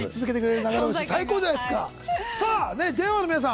ＪＯ１の皆さん